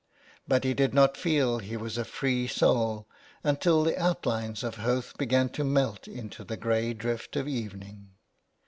But he did not feel he was a free soul until the outlines of Howth began to melt into the grey drift of evening.